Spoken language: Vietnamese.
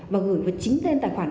và gửi vào chính tên tài khoản cá nhân